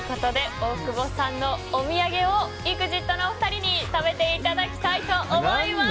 大久保さんのお土産をＥＸＩＴのお二人に食べていただきたいと思います。